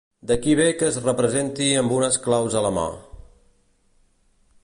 D'aquí ve que es representi amb unes claus a la mà.